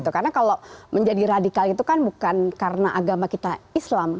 karena kalau menjadi radikal itu kan bukan karena agama kita islam